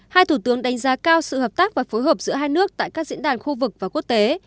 hai thủ tướng đánh giá cao sự hợp tác và phối hợp giữa hai nước tại các diễn đàn khu vực và quốc tế